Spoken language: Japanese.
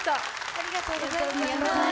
ありがとうございます。